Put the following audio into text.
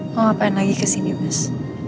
mau ngapain lagi kesini mas